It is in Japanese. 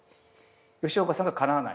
吉岡さんがかなわない？